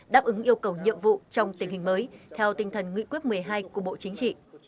đáp ứng yêu cầu nhiệm vụ trong tình hình mới theo tinh thần nghị quyết một mươi hai của bộ chính trị